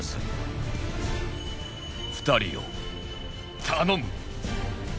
２人よ頼む！